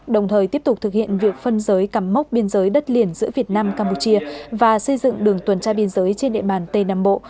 đồng thời tiếp tục thực hiện việc phân giới cắm mốc biên giới đất liền giữa việt nam campuchia và xây dựng đường tuần tra biên giới trên địa bàn tây nam bộ